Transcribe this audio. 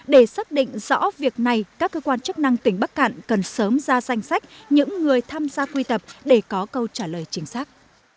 để xác định rõ việc này các cơ quan chức năng tỉnh bắc cạn cần sớm ra danh sách những người tham gia quy tập để có câu trả lời chính xác